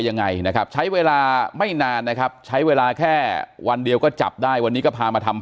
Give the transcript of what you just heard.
ยังไงนะครับใช้เวลาไม่นานนะครับใช้เวลาแค่วันเดียวก็จับได้วันนี้ก็พามาทำ